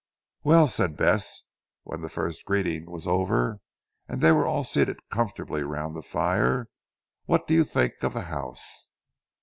"Well," said Bess when the first greeting was over and they were all seated comfortably round the fire, "what do you think of the house?"